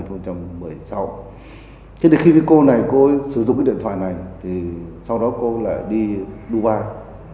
thế thì khi cô này cô ấy sử dụng cái điện thoại này thì sau đó cô lại đi dubai